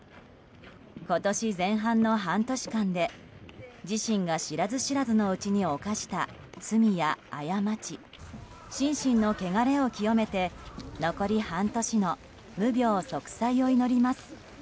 今年前半の半年間で、自身が知らず知らずのうちに犯した罪や過ち、心身のけがれを清めて残り半年の無病息災を祈ります。